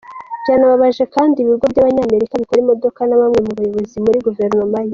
Byanababaje kandi ibigo by’Abanyamerika bikora imodoka na bamwe mu bayobozi muri guverinoma ye.